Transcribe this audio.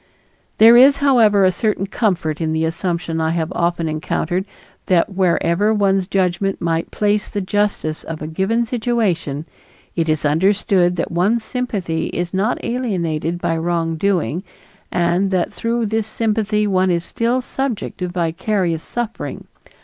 There is, however, a certain comfort in the assumption I have often encountered that wherever one's judgment might place the justice of a given situation, it is understood that one's sympathy is not alienated by wrongdoing, and that through this sympathy one is still subject to vicarious suffering.